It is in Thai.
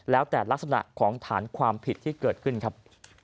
แล้วแต่ลักษณะของฐานความผิดที่เกิดขึ้นครับ